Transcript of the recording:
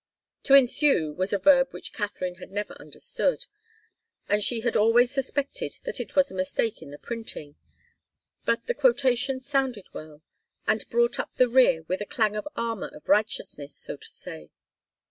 "To ensue" was a verb which Katharine had never understood, and she had always suspected that it was a mistake in the printing, but the quotation sounded well, and brought up the rear with a clang of armour of righteousness, so to say.